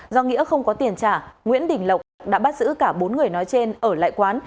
do nghĩa không có tiền trả nguyễn đình lộc đã bắt giữ cả bốn người nói trên ở lại quán